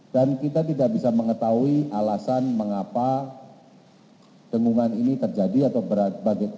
dan kita tidak bisa mengetahui alasan mengapa dengungan ini terjadi atau berada